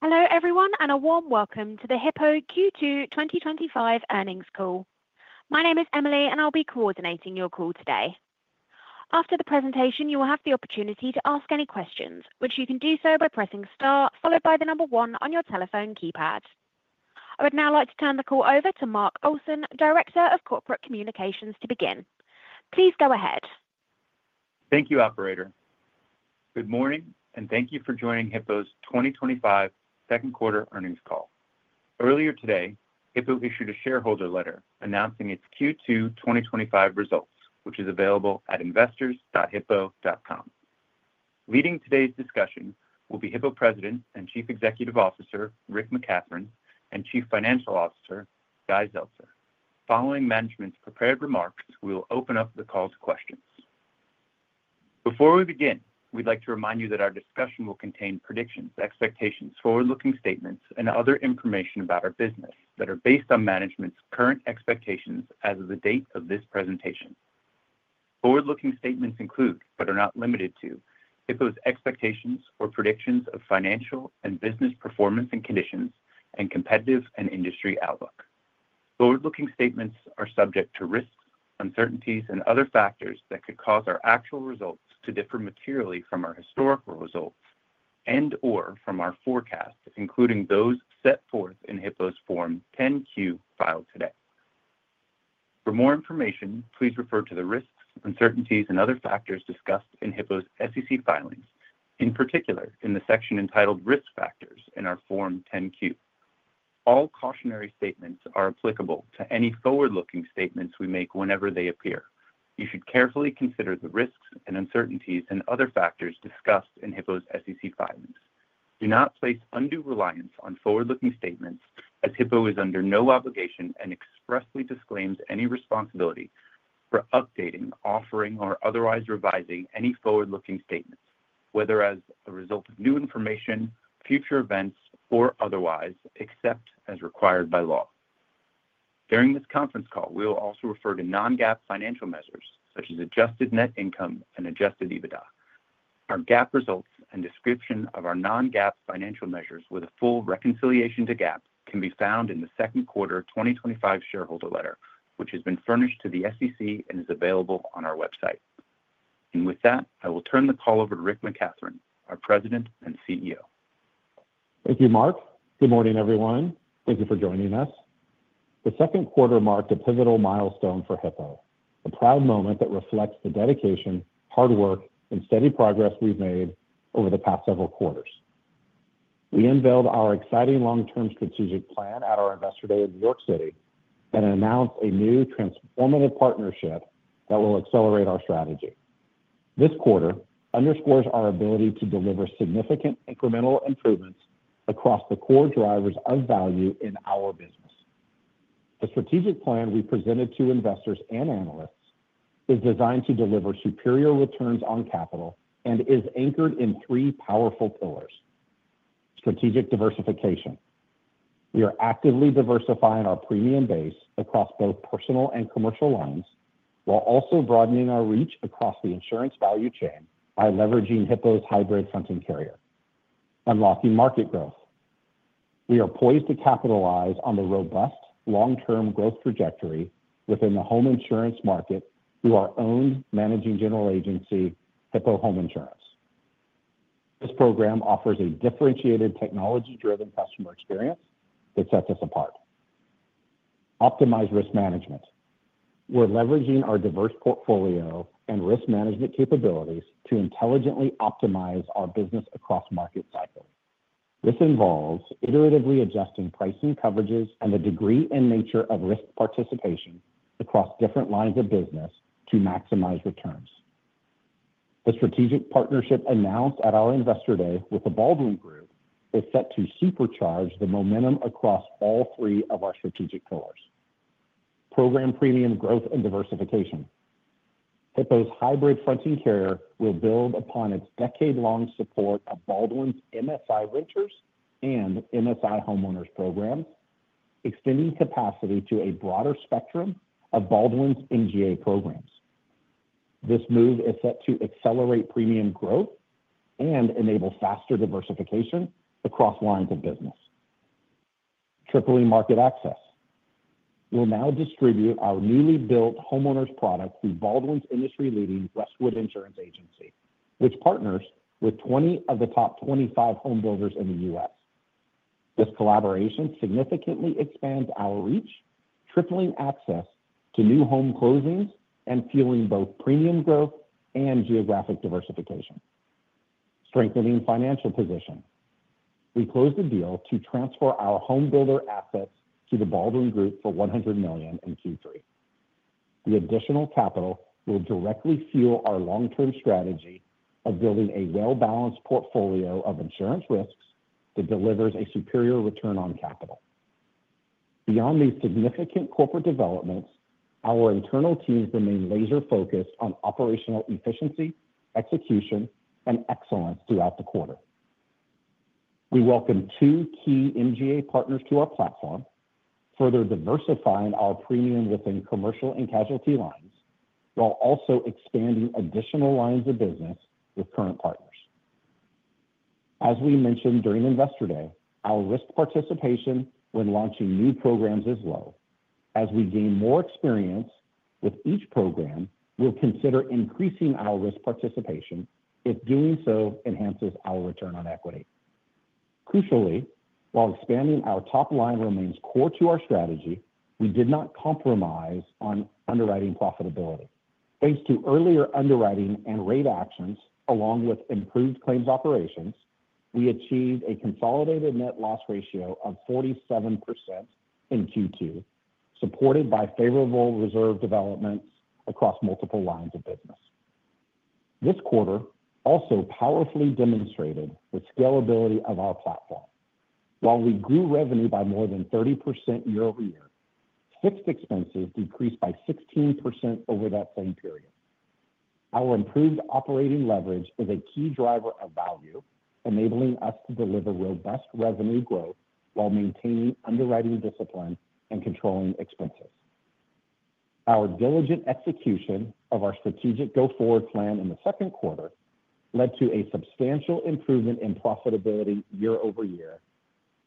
Hello everyone, and a warm welcome to the Hippo Q2 2025 Earnings Call. My name is Emily, and I'll be coordinating your call today. After the presentation, you will have the opportunity to ask any questions, which you can do by pressing star, followed by the number one on your telephone keypad. I would now like to turn the call over to Mark Olson, Director of Corporate Communications, to begin. Please go ahead. Thank you, Operator. Good morning, and thank you for joining Hippo's 2025 Second Quarter Earnings Call. Earlier today, Hippo issued a shareholder letter announcing its Q2 2025 results, which is available at investors.hippo.com. Leading today's discussion will be Hippo President and Chief Executive Officer, Rick McCathron, and Chief Financial Officer, Guy Zeltser. Following management's prepared remarks, we will open up the call to questions. Before we begin, we'd like to remind you that our discussion will contain predictions, expectations, forward-looking statements, and other information about our business that are based on management's current expectations as of the date of this presentation. Forward-looking statements include, but are not limited to, Hippo's expectations or predictions of financial and business performance and conditions, and competitive and industry outlook. Forward-looking statements are subject to risks, uncertainties, and other factors that could cause our actual results to differ materially from our historical results and/or from our forecast, including those set forth in Hippo's Form 10-Q filed today. For more information, please refer to the risks, uncertainties, and other factors discussed in Hippo's SEC filings, in particular in the section entitled Risk Factors in our Form 10-Q. All cautionary statements are applicable to any forward-looking statements we make whenever they appear. You should carefully consider the risks and uncertainties and other factors discussed in Hippo's SEC filings. Do not place undue reliance on forward-looking statements, as Hippo is under no obligation and expressly disclaims any responsibility for updating, offering, or otherwise revising any forward-looking statements, whether as a result of new information, future events, or otherwise, except as required by law. During this conference call, we will also refer to non-GAAP financial measures, such as adjusted net income and adjusted EBITDA. Our GAAP results and description of our non-GAAP financial measures with a full reconciliation to GAAP can be found in the second quarter 2025 shareholder letter, which has been furnished to the SEC and is available on our website. With that, I will turn the call over to Rick McCathron, our President and CEO. Thank you, Mark. Good morning, everyone. Thank you for joining us. The second quarter marked a pivotal milestone for Hippo, a proud moment that reflects the dedication, hard work, and steady progress we've made over the past several quarters. We unveiled our exciting long-term strategic plan at our Investor Day in New York City and announced a new transformative partnership that will accelerate our strategy. This quarter underscores our ability to deliver significant incremental improvements across the core drivers of value in our business. The strategic plan we presented to investors and analysts is designed to deliver superior returns on capital and is anchored in three powerful pillars: Strategic Diversification. We are actively diversifying our premium base across both personal and commercial lines, while also broadening our reach across the insurance value chain by leveraging Hippo's hybrid front and carrier. Unlocking Market Growth. We are poised to capitalize on the robust long-term growth trajectory within the home insurance market through our owned managing general agency, Hippo Home Insurance. This program offers a differentiated technology-driven customer experience that sets us apart. Optimize Risk Management. We're leveraging our diverse portfolio and risk management capabilities to intelligently optimize our business across market cycles. This involves iteratively adjusting pricing, coverages, and the degree and nature of risk participation across different lines of business to maximize returns. The strategic partnership announced at our Investor Day with The Baldwin Group is set to supercharge the momentum across all three of our strategic pillars. Program Premium Growth and Diversification. Hippo's hybrid front and carrier will build upon its decade-long support of Baldwin's MSI Renters and MSI Homeowners program, extending capacity to a broader spectrum of Baldwin's MGA programs. This move is set to accelerate premium growth and enable faster diversification across lines of business. Triple E Market Access. We'll now distribute our newly built homeowners product through Baldwin's industry-leading Westwood Insurance Agency, which partners with 20 of the top 25 home builders in the U.S. This collaboration significantly expands our reach, tripling access to new home closings and fueling both premium growth and geographic diversification. Strengthening Financial Position. We closed a deal to transfer our home builder assets to the Baldwin Group for $100 million in Q3. The additional capital will directly fuel our long-term strategy of building a well-balanced portfolio of insurance risks that delivers a superior return on capital. Beyond these significant corporate developments, our internal teams remain laser-focused on operational efficiency, execution, and excellence throughout the quarter. We welcome two key MGA partners to our platform, further diversifying our premium within commercial and casualty lines, while also expanding additional lines of business with current partners. As we mentioned during investor day, our risk participation when launching new programs is low. As we gain more experience with each program, we'll consider increasing our risk participation if doing so enhances our return on equity. Crucially, while expanding our top-line remains core to our strategy, we did not compromise on underwriting profitability. Thanks to earlier underwriting and rate actions, along with improved claims operations, we achieved a consolidated net loss ratio of 47% in Q2, supported by favorable reserve developments across multiple lines of business. This quarter also powerfully demonstrated the scalability of our platform. While we grew revenue by more than 30% year-over-year, fixed expenses decreased by 16% over that same period. Our improved operating leverage is a key driver of value, enabling us to deliver robust revenue growth while maintaining underwriting discipline and controlling expenses. Our diligent execution of our strategic go-forward plan in the second quarter led to a substantial improvement in profitability year-over-year,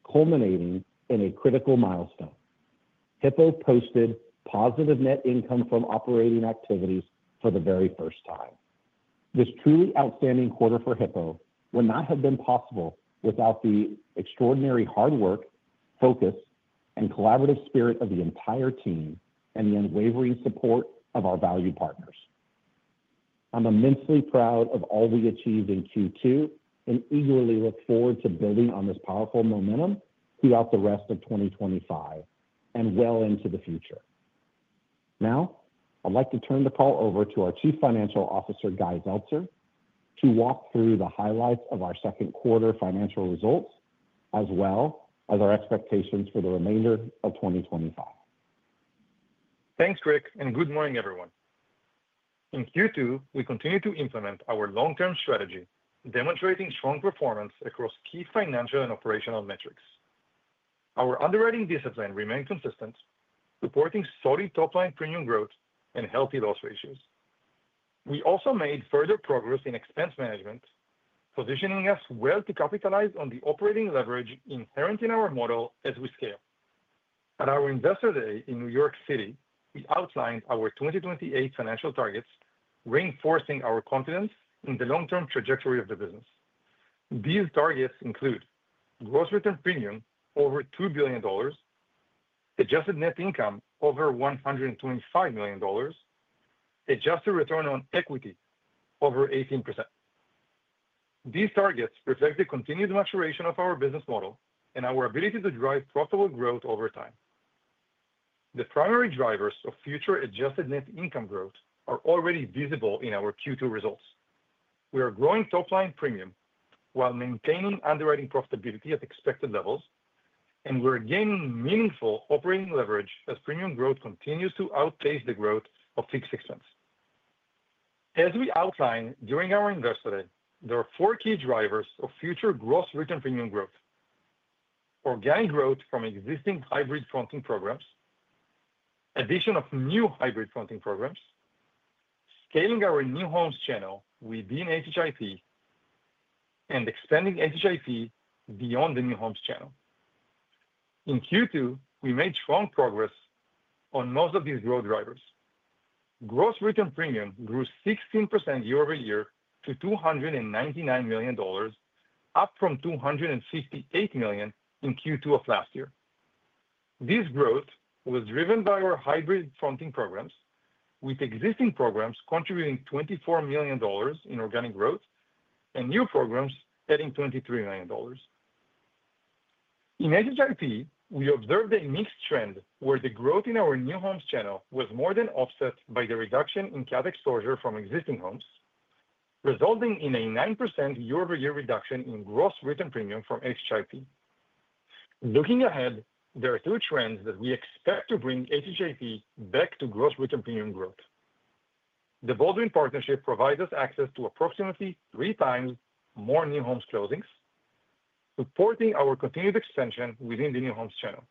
culminating in a critical milestone. Hippo posted positive net income from operating activities for the very first time. This truly outstanding quarter for Hippo would not have been possible without the extraordinary hard work, focus, and collaborative spirit of the entire team and the unwavering support of our value partners. I'm immensely proud of all we achieved in Q2 and eagerly look forward to building on this powerful momentum throughout the rest of 2025 and well into the future. Now, I'd like to turn the call over to our Chief Financial Officer, Guy Zeltser, to walk through the highlights of our second quarter financial results, as well as our expectations for the remainder of 2025. Thanks, Rick, and good morning, everyone. In Q2, we continued to implement our long-term strategy, demonstrating strong performance across key financial and operational metrics. Our underwriting discipline remained consistent, supporting solid top-line premium growth and healthy loss ratios. We also made further progress in expense management, positioning us well to capitalize on the operating leverage inherent in our model as we scale. At our Investor Day in New York City, we outlined our 2028 financial targets, reinforcing our confidence in the long-term trajectory of the business. These targets include gross written premium over $2 billion, adjusted net income over $125 million, and adjusted return on equity over 18%. These targets reflect the continued maturation of our business model and our ability to drive profitable growth over time. The primary drivers of future adjusted net income growth are already visible in our Q2 results. We are growing top-line premium while maintaining underwriting profitability at expected levels, and we're gaining meaningful operating leverage as premium growth continues to outpace the growth of fixed expense. As we outlined during our Investor Day, there are four key drivers of future gross written premium growth: organic growth from existing hybrid fronting programs, the addition of new hybrid fronting programs, scaling our new homes channel within HHIP, and extending HHIP beyond the new homes channel. In Q2, we made strong progress on most of these growth drivers. Gross written premium grew 16% year-over-year to $299 million, up from $258 million in Q2 of last year. This growth was driven by our hybrid fronting programs, with existing programs contributing $24 million in organic growth and new programs adding $23 million. In HHIP, we observed a mixed trend where the growth in our new homes channel was more than offset by the reduction in CAT exposure from existing homes, resulting in a 9% year-over-year reduction in gross written premium from HHIP. Looking ahead, there are two trends that we expect to bring HHIP back to gross written premium growth. The Baldwin partnership provides us access to approximately 3x more new home closings, supporting our continued expansion within the new homes channel.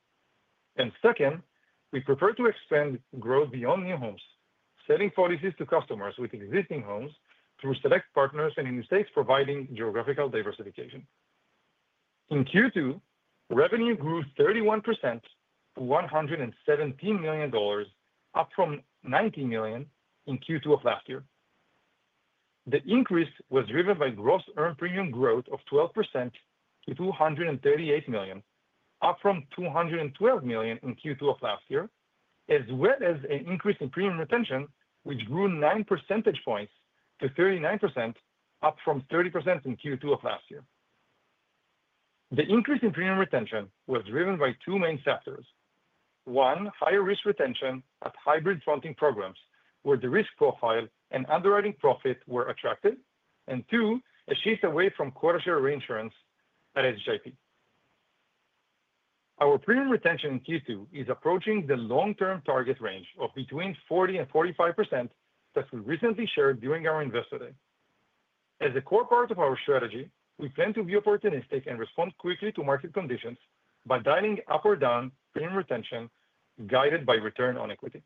Second, we prefer to expand growth beyond new homes, selling policies to customers with existing homes through select partners and in the states providing geographical diversification. In Q2, revenue grew 31% to $117 million, up from $90 million in Q2 of last year. The increase was driven by gross earned premium growth of 12% to $238 million, up from $212 million in Q2 of last year, as well as an increase in premium retention, which grew 9 percentage points to 39%, up from 30% in Q2 of last year. The increase in premium retention was driven by two main factors: one, higher risk retention at hybrid fronting programs where the risk profile and underwriting profit were attractive, and two, a shift away from quota share reinsurance at HHIP. Our premium retention in Q2 is approaching the long-term target range of between 40% and 45%, as we recently shared during our Investor Day. As a core part of our strategy, we plan to be opportunistic and respond quickly to market conditions by dialing up or down premium retention guided by return on equity.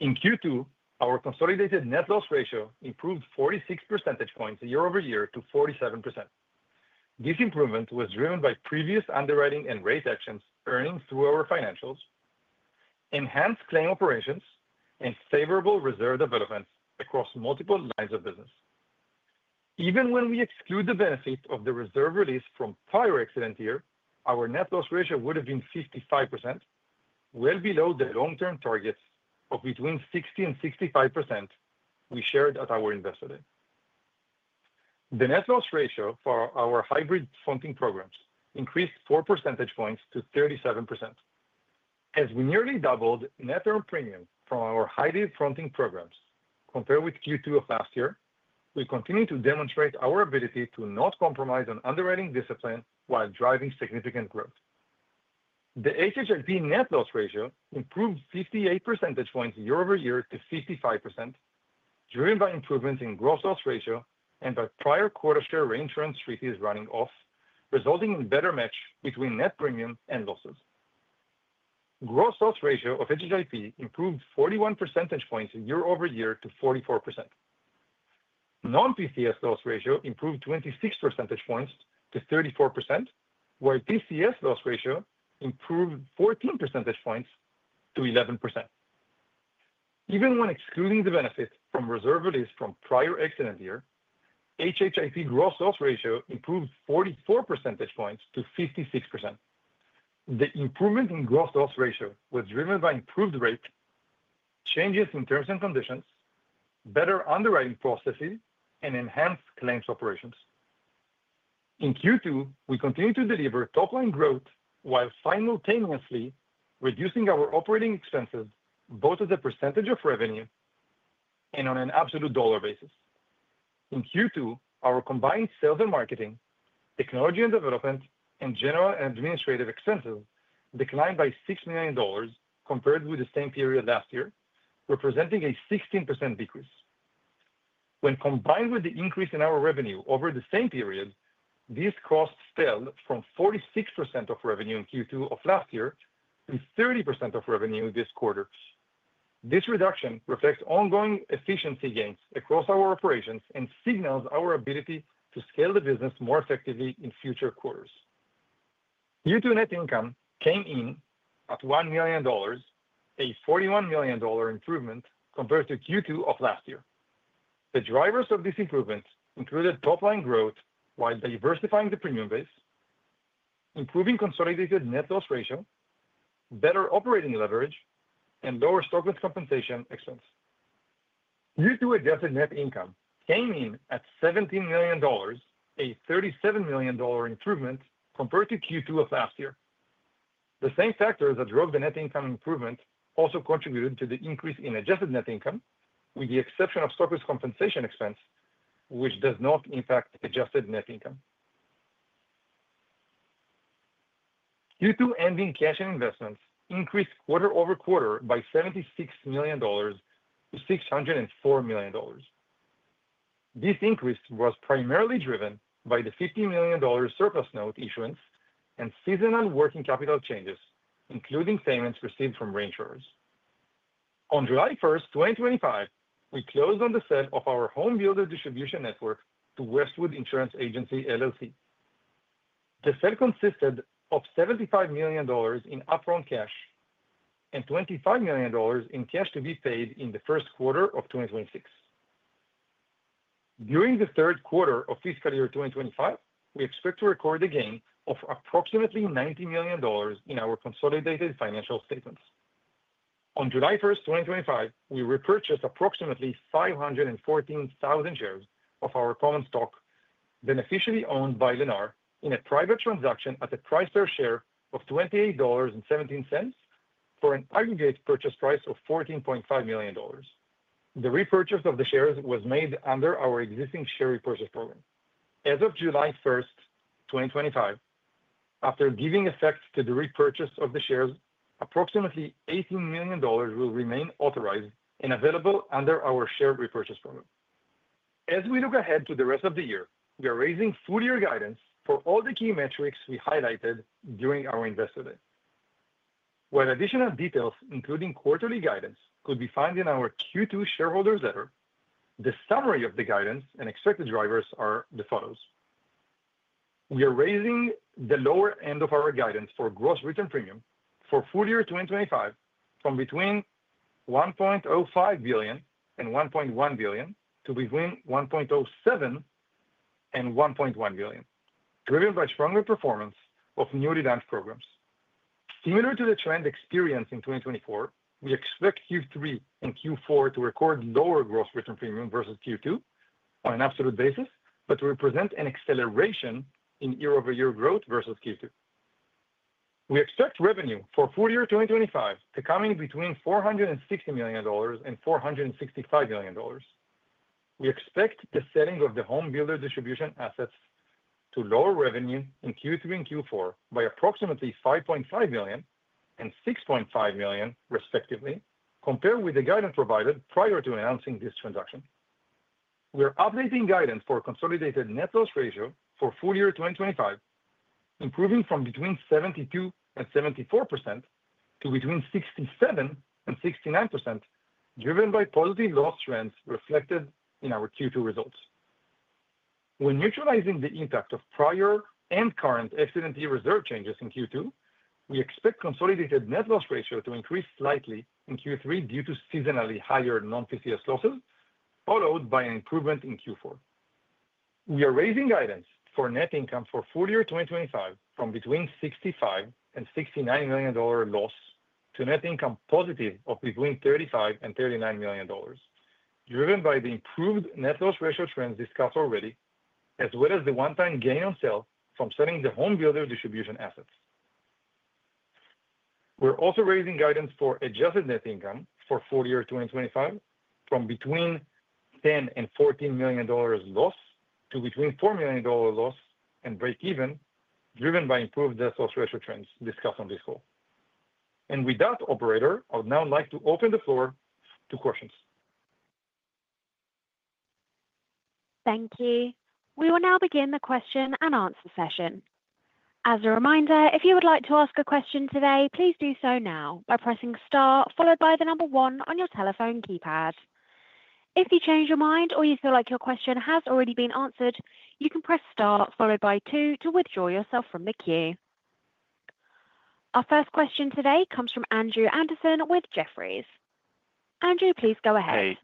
In Q2, our consolidated net loss ratio improved 46 percentage points year-over-year to 47%. This improvement was driven by previous underwriting and rate actions earning through our financials, enhanced claim operations, and favorable reserve developments across multiple lines of business. Even when we exclude the benefit of the reserve release from prior accident year, our net loss ratio would have been 55%, well below the long-term targets of between 60% and 65% we shared at our Investor Day. The net loss ratio for our hybrid fronting programs increased 4 percentage points to 37%. As we nearly doubled net earned premium from our hybrid fronting programs compared with Q2 of last year, we continue to demonstrate our ability to not compromise on underwriting discipline while driving significant growth. The HHIP net loss ratio improved 58 percentage points year-over-year to 55%, driven by improvements in gross loss ratio and by prior quota share reinsurance treaties running off, resulting in a better match between net premium and losses. Gross loss ratio of HHIP improved 41 percentage points year-over-year to 44%. Non-PCS loss ratio improved 26 percentage points to 34%, while PCS loss ratio improved 14 percentage points to 11%. Even when excluding the benefit from reserve release from prior accident year, HHIP gross loss ratio improved 44 percentage points to 56%. The improvement in gross loss ratio was driven by improved rate, changes in terms and conditions, better underwriting processes, and enhanced claims operations. In Q2, we continue to deliver top-line growth while simultaneously reducing our operating expenses both as a percentage of revenue and on an absolute dollar basis. In Q2, our combined sales and marketing, technology and development, and general and administrative expenses declined by $6 million compared with the same period last year, representing a 16% decrease. When combined with the increase in our revenue over the same period, these costs fell from 46% of revenue in Q2 of last year to 30% of revenue this quarter. This reduction reflects ongoing efficiency gains across our operations and signals our ability to scale the business more effectively in future quarters. Q2 net income came in at $1 million, a $41 million improvement compared to Q2 of last year. The drivers of this improvement included top-line growth while diversifying the premium base, improving consolidated net loss ratio, better operating leverage, and lower stock-based compensation expense. Q2 adjusted net income came in at $17 million, a $37 million improvement compared to Q2 of last year. The same factors that drove the net income improvement also contributed to the increase in adjusted net income, with the exception of stock-based compensation expense, which does not impact adjusted net income. Q2 ending cash and investments increased quarter-over-quarter by $76 million to $604 million. This increase was primarily driven by the $50 million surplus note issuance and seasonal working capital changes, including payments received from reinsurers. On July 1st, 2025, we closed on the sale of our home builder distribution network to Westwood Insurance Agency LLC. The sale consisted of $75 million in upfront cash and $25 million in cash to be paid in the first quarter of 2026. During the third quarter of fiscal year 2025, we expect to record a gain of approximately $90 million in our consolidated financial statements. On July 1st, 2025, we repurchased approximately 514,000 shares of our common stock beneficially owned by Lennar in a private transaction at a price per share of $28.17 for an aggregate purchase price of $14.5 million. The repurchase of the shares was made under our existing share repurchase program. As of July 1st, 2025, after giving effect to the repurchase of the shares, approximately $18 million will remain authorized and available under our share repurchase program. As we look ahead to the rest of the year, we are raising full-year guidance for all the key metrics we highlighted during our Investor Day. While additional details, including quarterly guidance, can be found in our Q2 shareholders' letter, the summary of the guidance and expected drivers are as follows. We are raising the lower end of our guidance for gross written premium for full year 2025 from between $1.05 billion and $1.1 billion to between $1.07 billion and $1.1 billion, driven by stronger performance of newly launched programs. Similar to the trend experienced in 2024, we expect Q3 and Q4 to record lower gross written premium versus Q2 on an absolute basis, but to represent an acceleration in year-over-year growth versus Q2. We expect revenue for full year 2025 to come in between $460 million and $465 million. We expect the selling of the home builder distribution assets to lower revenue in Q3 and Q4 by approximately $5.5 million and $6.5 million, respectively, compared with the guidance provided prior to announcing this transaction. We are updating guidance for consolidated net loss ratio for full year 2025, improving from between 72% and 74% to between 67% and 69%, driven by positive loss trends reflected in our Q2 results. When neutralizing the impact of prior and current accident year reserve changes in Q2, we expect consolidated net loss ratio to increase slightly in Q3 due to seasonally higher non-PCS losses, followed by an improvement in Q4. We are raising guidance for net income for full year 2025 from between $65 million and $69 million loss to net income positive of between $35 million and $39 million, driven by the improved net loss ratio trends discussed already, as well as the one-time gain on sale from selling the home builder distribution assets. We are also raising guidance for adjusted net income for full year 2025 from between $10 million and $14 million loss to between $4 million loss and break even, driven by improved net loss ratio trends discussed on this call. With that, Operator, I would now like to open the floor to questions. Thank you. We will now begin the question and answer session. As a reminder, if you would like to ask a question today, please do so now by pressing star, followed by the number one on your telephone keypad. If you change your mind or you feel like your question has already been answered, you can press star, followed by two to withdraw yourself from the queue. Our first question today comes from Andrew Andersen with Jefferies. Andrew, please go ahead. Hey,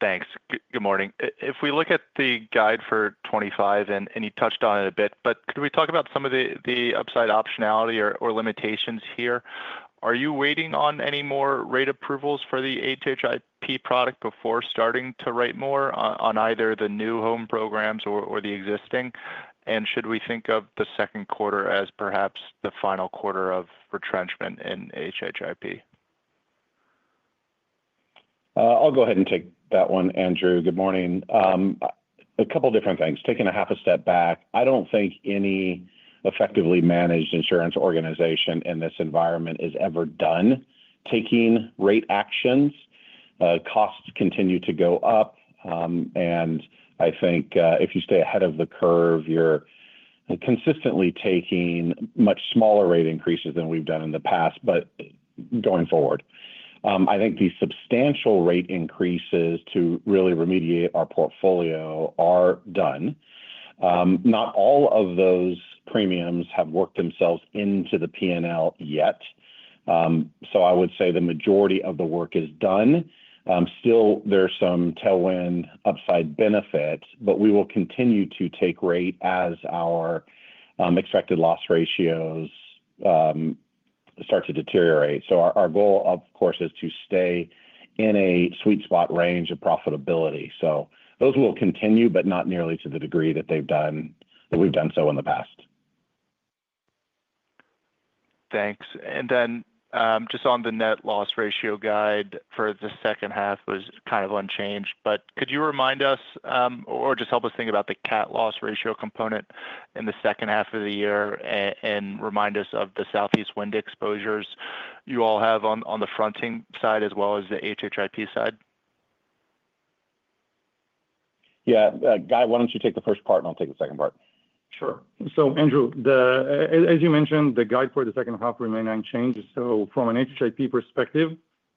thanks. Good morning. If we look at the guide for 2025, and you touched on it a bit, could we talk about some of the upside optionality or limitations here? Are you waiting on any more rate approvals for the HHIP product before starting to write more on either the new home programs or the existing? Should we think of the second quarter as perhaps the final quarter of retrenchment in HHIP? I'll go ahead and take that one, Andrew. Good morning. A couple of different things. Taking a half a step back, I don't think any effectively managed insurance organization in this environment has ever done taking rate actions. Costs continue to go up. If you stay ahead of the curve, you're consistently taking much smaller rate increases than we've done in the past. Going forward, I think the substantial rate increases to really remediate our portfolio are done. Not all of those premiums have worked themselves into the P&L yet. I would say the majority of the work is done. Still, there's some tailwind upside benefits, but we will continue to take rate as our expected loss ratios start to deteriorate. Our goal, of course, is to stay in a sweet spot range of profitability. Those will continue, but not nearly to the degree that they've done, that we've done so in the past. Thanks. Just on the net loss ratio guide for the second half, it was kind of unchanged. Could you remind us or just help us think about the CAT loss ratio component in the second half of the year and remind us of the Southeast wind exposures you all have on the fronting side as well as the HHIP side? Yeah, Guy, why don't you take the first part and I'll take the second part? Sure. Andrew, as you mentioned, the guide for the second half remained unchanged. From an HHIP perspective,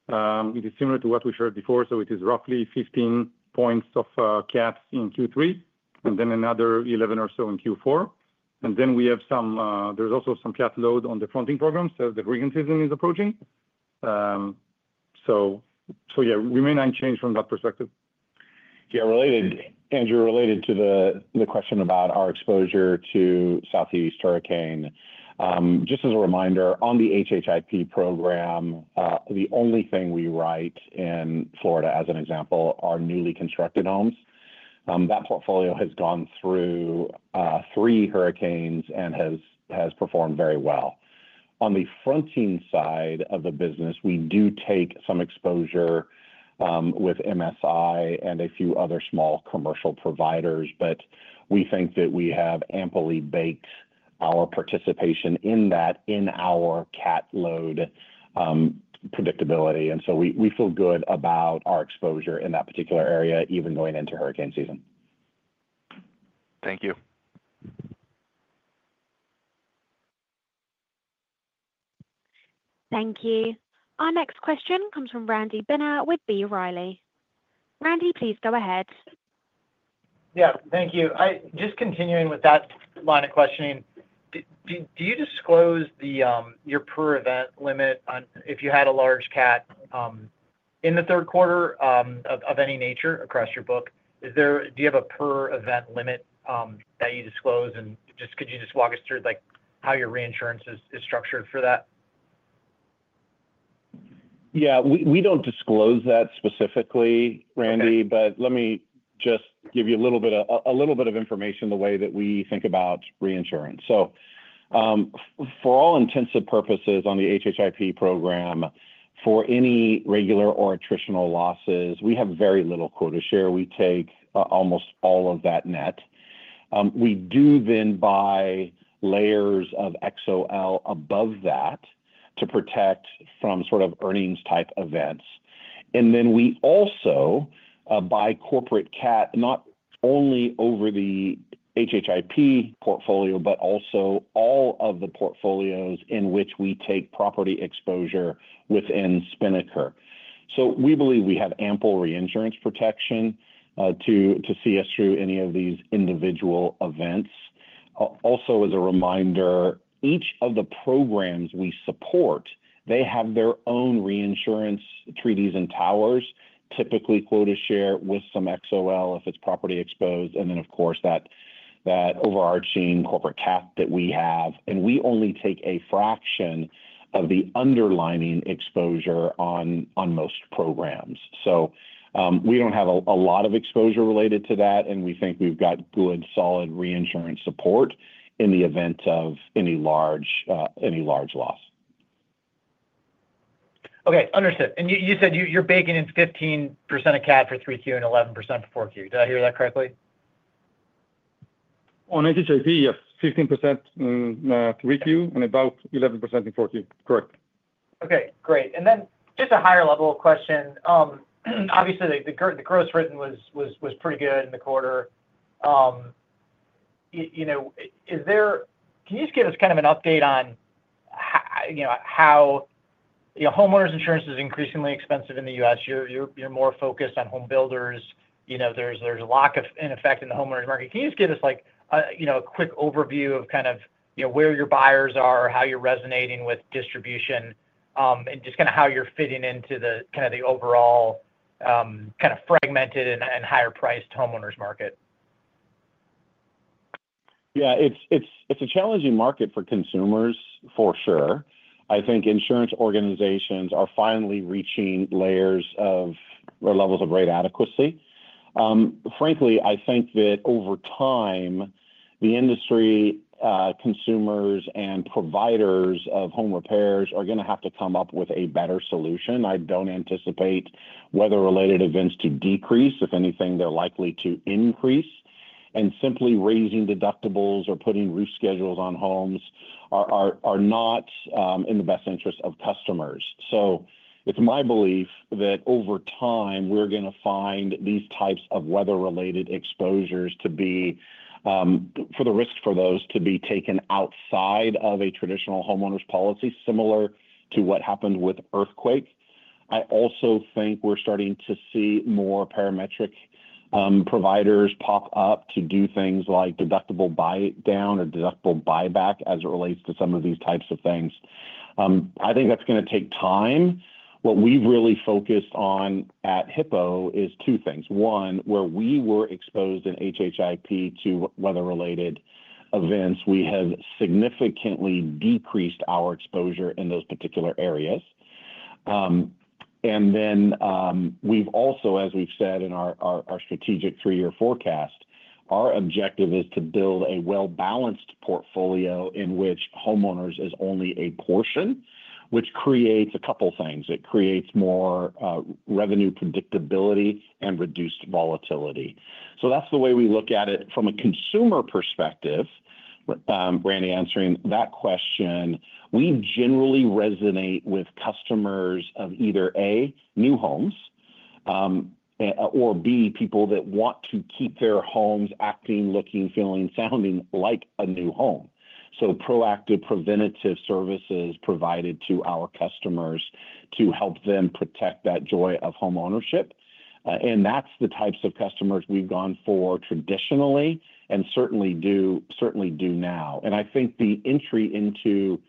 it is similar to what we shared before. It is roughly 15 points of CAT in Q3, and then another 11 or so in Q4. There is also some CAT load on the fronting programs, so the frequency is approaching. It remained unchanged from that perspective. Yeah, Andrew, related to the question about our exposure to Southeast hurricane. Just as a reminder, on the HHIP program, the only thing we write in Florida, as an example, are newly constructed homes. That portfolio has gone through three hurricanes and has performed very well. On the fronting side of the business, we do take some exposure with MSI and a few other small commercial providers, but we think that we have amply baked our participation in that in our CAT load predictability. We feel good about our exposure in that particular area, even going into hurricane season. Thank you. Thank you. Our next question comes from Randy Binner with B. Riley. Randy, please go ahead. Yeah, thank you. Just continuing with that line of questioning, do you disclose your per event limit if you had a large CAT in the third quarter of any nature across your book? Do you have a per event limit that you disclose? Could you just walk us through how your reinsurance is structured for that? Yeah, we don't disclose that specifically, Randy, but let me just give you a little bit of information the way that we think about reinsurance. For all intents and purposes on the HHIP program, for any regular or attritional losses, we have very little quota share. We take almost all of that net. We do then buy layers of XOL above that to protect from sort of earnings-type events. We also buy corporate CAT, not only over the HHIP portfolio, but also all of the portfolios in which we take property exposure within Spinnaker. We believe we have ample reinsurance protection to see us through any of these individual events. Also, as a reminder, each of the programs we support they have their own reinsurance treaties and towers, typically quota share with some XOL if it's property exposed, and of course, that overarching corporate CAT that we have. We only take a fraction of the underlying exposure on most programs. We don't have a lot of exposure related to that, and we think we've got good, solid reinsurance support in the event of any large loss. Okay, understood. You said you're baking in 15% of CAT for 3Q and 11% for 4Q. Did I hear that correctly? On HHIP, yes, 15% in 3Q and about 11% in 4Q, correct. Okay, great. Just a higher level question. Obviously, the gross written was pretty good in the quarter. Can you just give us kind of an update on how homeowners insurance is increasingly expensive in the U.S.? You're more focused on home builders. There's a lack of, in effect, in the homeowners market. Can you just give us a quick overview of where your buyers are, how you're resonating with distribution, and how you're fitting into the overall fragmented and higher priced homeowners market? Yeah, it's a challenging market for consumers for sure. I think insurance organizations are finally reaching layers of levels of rate adequacy. Frankly, I think that over time, the industry, consumers, and providers of home repairs are going to have to come up with a better solution. I don't anticipate weather-related events to decrease. If anything, they're likely to increase. Simply raising deductibles or putting roof schedules on homes are not in the best interests of customers. It's my belief that over time, we're going to find these types of weather-related exposures, for the risk for those, to be taken outside of a traditional homeowner's policy, similar to what happened with earthquakes. I also think we're starting to see more parametric providers pop up to do things like deductible buy down or deductible buyback as it relates to some of these types of things. I think that's going to take time. What we've really focused on at Hippo is two things. One, where we were exposed in HHIP to weather-related events, we have significantly decreased our exposure in those particular areas. We've also, as we've said in our strategic three-year forecast, our objective is to build a well-balanced portfolio in which homeowners is only a portion, which creates a couple of things. It creates more revenue predictability and reduced volatility. That's the way we look at it from a consumer perspective. Randy, answering that question, we generally resonate with customers of either A, new homes, or B, people that want to keep their homes acting, looking, feeling, sounding like a new home. Proactive preventative services provided to our customers help them protect that joy of home ownership. That's the types of customers we've gone for traditionally and certainly do now. I think the entry into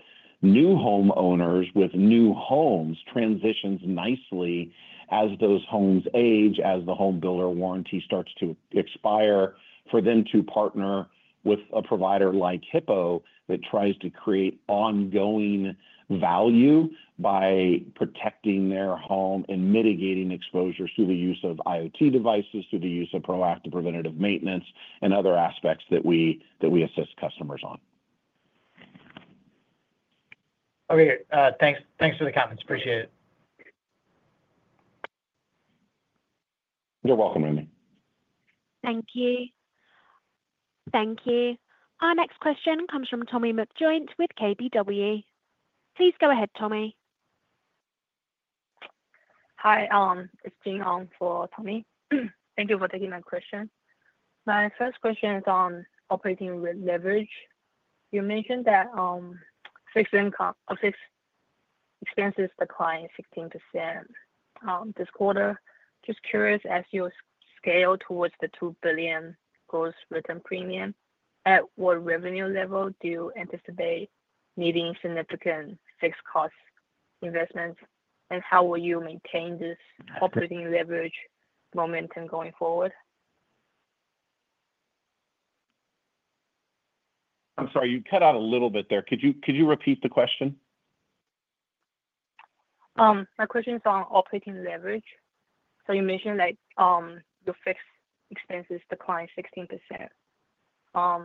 new homeowners with new homes transitions nicely as those homes age, as the home builder warranty starts to expire, for them to partner with a provider like Hippo that tries to create ongoing value by protecting their home and mitigating exposures through the use of IoT devices, through the use of proactive preventative maintenance, and other aspects that we assist customers on. Okay, thanks for the comments. Appreciate it. You're welcome, Randy. Thank you. Thank you. Our next question comes from Tommy McJoynt with KBW. Please go ahead, Tommy. Hi, um. It's [Jean] on for Tommy. Thank you for taking my question. My first question is on operating leverage. You mentioned that fixed expenses declined 16% this quarter. Just curious, as you scale towards the $2 billion gross written premium, at what revenue level do you anticipate needing significant fixed cost investments? How will you maintain this operating leverage momentum going forward? I'm sorry, you cut out a little bit there. Could you repeat the question? My question is on operating leverage. You mentioned that your fixed expenses declined 16%. I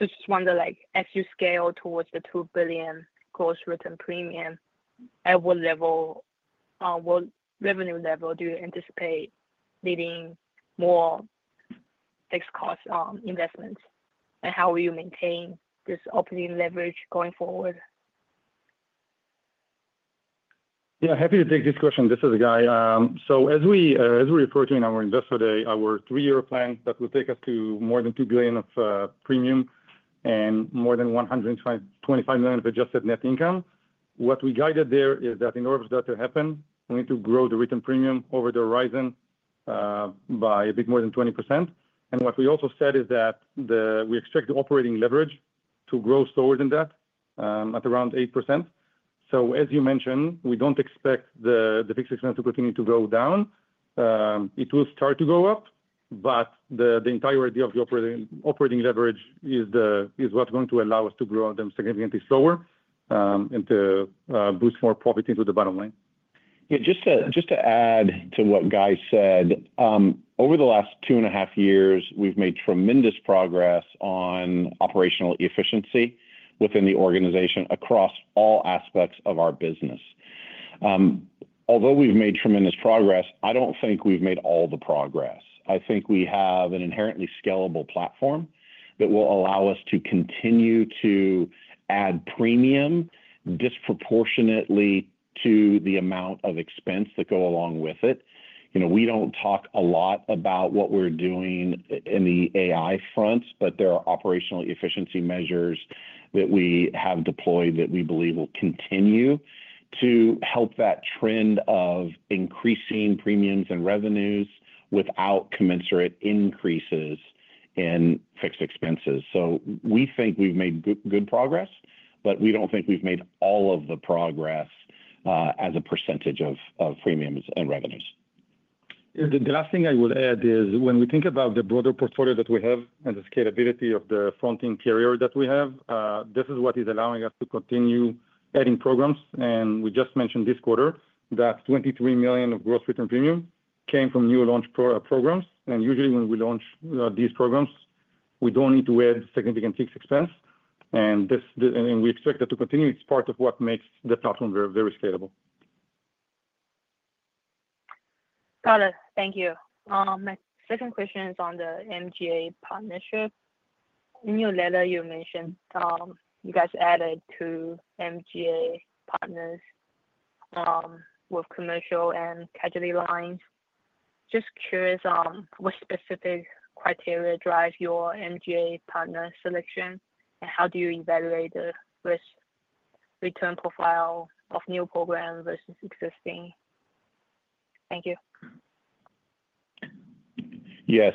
just wonder, as you scale towards the $2 billion gross written premium, at what revenue level do you anticipate needing more fixed cost investments? How will you maintain this operating leverage going forward? Yeah, happy to take this question. This is Guy. As we refer to in our Investor Day, our three-year plan will take us to more than $2 billion of premium and more than $125 million of adjusted net income. What we guided there is that in order for that to happen, we need to grow the written premium over the horizon by a bit more than 20%. What we also said is that we expect the operating leverage to grow towards that at around 8%. As you mentioned, we don't expect the fixed expense to continue to go down. It will start to go up, but the entire idea of the operating leverage is what's going to allow us to grow them significantly slower and to boost more profit into the bottom line. Yeah, just to add to what Guy said, over the last two and a half years, we've made tremendous progress on operational efficiency within the organization across all aspects of our business. Although we've made tremendous progress, I don't think we've made all the progress. I think we have an inherently scalable platform that will allow us to continue to add premium disproportionately to the amount of expense that goes along with it. We don't talk a lot about what we're doing in the AI fronts, but there are operational efficiency measures that we have deployed that we believe will continue to help that trend of increasing premiums and revenues without commensurate increases in fixed expenses. We think we've made good progress, but we don't think we've made all of the progress as a percentage of premiums and revenues. The last thing I would add is when we think about the broader portfolio that we have and the scalability of the fronting carrier that we have, this is what is allowing us to continue adding programs. We just mentioned this quarter that $23 million of gross written premium came from new launch programs. Usually, when we launch these programs, we don't need to add significant fixed expense, and we expect that to continue. It's part of what makes the platform very, very scalable. Got it. Thank you. My second question is on the MGA partnership. In your letter, you mentioned you guys added two MGA partners with commercial and casualty lines. Just curious, what specific criteria drives your MGA partner selection? How do you evaluate the risk return profile of new programs versus existing? Thank you. Yes,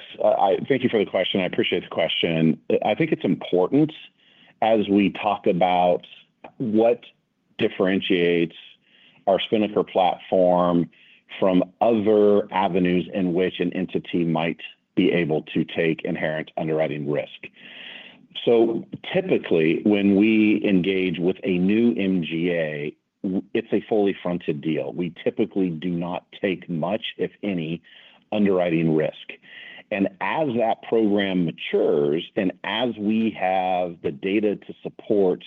thank you for the question. I appreciate the question. I think it's important as we talk about what differentiates our Spinnaker platform from other avenues in which an entity might be able to take inherent underwriting risk. Typically, when we engage with a new MGA, it's a fully fronted deal. We typically do not take much, if any, underwriting risk. As that program matures and as we have the data to support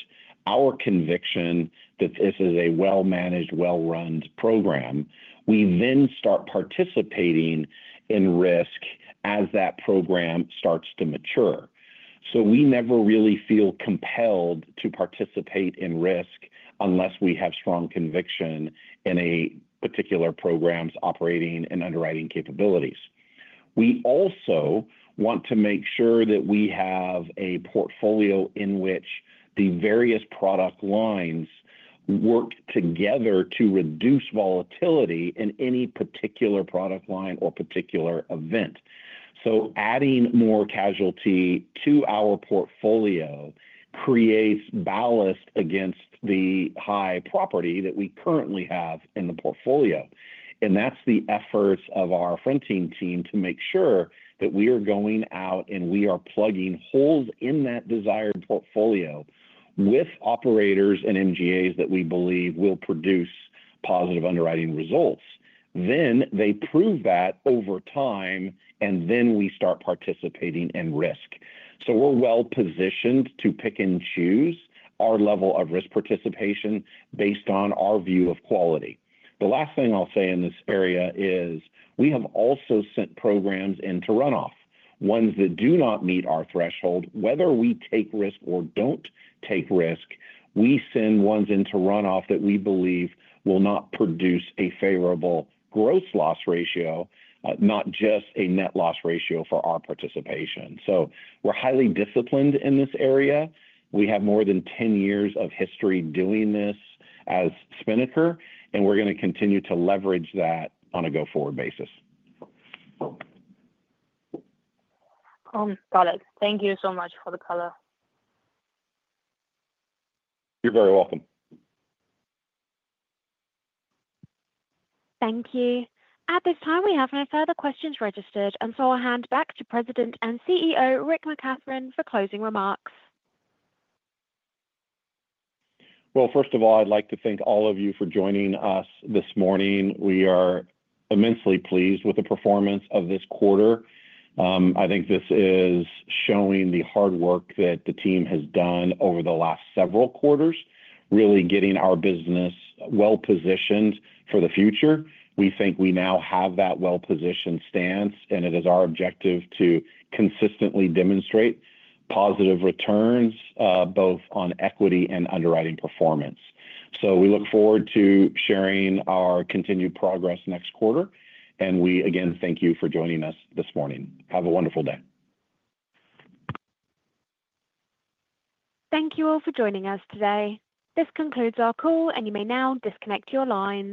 our conviction that this is a well-managed, well-run program, we then start participating in risk as that program starts to mature. We never really feel compelled to participate in risk unless we have strong conviction in a particular program's operating and underwriting capabilities. We also want to make sure that we have a portfolio in which the various product lines work together to reduce volatility in any particular product line or particular event. Adding more casualty to our portfolio creates ballast against the high property that we currently have in the portfolio. That is the effort of our fronting team to make sure that we are going out and we are plugging holes in that desired portfolio with operators and MGAs that we believe will produce positive underwriting results. They prove that over time, and then we start participating in risk. We are well positioned to pick and choose our level of risk participation based on our view of quality. The last thing I'll say in this area is we have also sent programs into runoff, ones that do not meet our threshold. Whether we take risk or don't take risk, we send ones into runoff that we believe will not produce a favorable gross loss ratio, not just a net loss ratio for our participation. We are highly disciplined in this area. We have more than 10 years of history doing this as Spinnaker, and we are going to continue to leverage that on a go-forward basis. Got it. Thank you so much for the color. You're very welcome. Thank you. At this time, we have no further questions registered, and so I'll hand back to President and CEO Rick McCathron for closing remarks. First of all, I'd like to thank all of you for joining us this morning. We are immensely pleased with the performance of this quarter. I think this is showing the hard work that the team has done over the last several quarters, really getting our business well-positioned for the future. We think we now have that well-positioned stance, and it is our objective to consistently demonstrate positive returns, both on equity and underwriting performance. We look forward to sharing our continued progress next quarter. We, again, thank you for joining us this morning. Have a wonderful day. Thank you all for joining us today. This concludes our call, and you may now disconnect your line.